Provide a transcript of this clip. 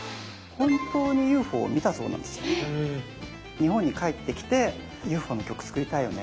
日本に帰ってきてＵＦＯの曲作りたいよね。